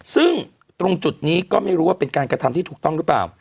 ซึ่งตรงจุดนี้ก็ไม่รู้ว่าเป็นการกระทำที่ถูกต้องหรือเปล่า